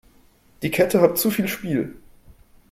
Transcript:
Die Kette hat zu viel Spiel.